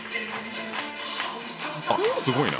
あすごいな。